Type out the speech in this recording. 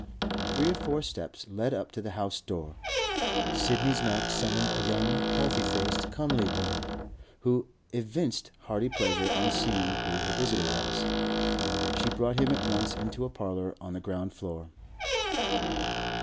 Three or four steps led up to the house door. Sidney's knock summoned a young, healthy faced, comely woman, who evinced hearty pleasure on seeing who her visitor was. She brought him at once into a parlour on the ground floor.